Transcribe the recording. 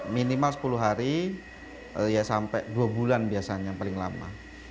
minimal sepuluh hari ya sampai dua bulan biasanya yang paling lama